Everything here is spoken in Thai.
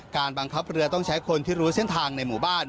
การบังคับเรือต้องใช้คนที่รู้เส้นทางในหมู่บ้าน